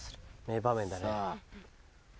名場面だね。